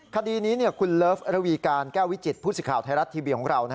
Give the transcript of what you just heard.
คดีนี้คุณเลิฟระวีการแก้ววิจิตผู้สิทธิ์ไทยรัฐทีวีของเรา